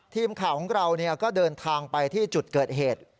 ทีมข่าวของเราก็เดินทางไปที่จุดเกิดเหตุ